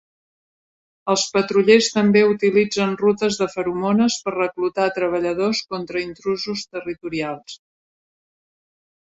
Els patrullers també utilitzen rutes de feromones per reclutar treballadors contra intrusos territorials.